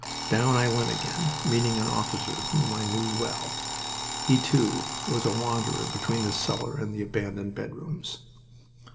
Down I went again, meeting an officer whom I knew well. He, too, was a wanderer between the cellar and the abandoned bedrooms.